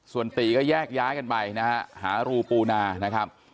ส่วนตีก็แยกย้ายกันไปนะฮะหารูปูนานะครับ